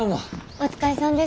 お疲れさんです。